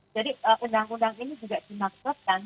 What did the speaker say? jadi undang undang ini juga dimaksudkan